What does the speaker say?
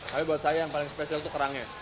tapi buat saya yang paling spesial itu kerangnya